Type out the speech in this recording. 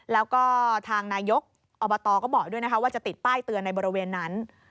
แล้วก็ทางนายกอบตก็บอกด้วยนะคะว่าจะติดป้ายเตือนในบริเวณนั้น